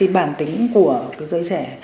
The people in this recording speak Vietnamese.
bản tính của dây trẻ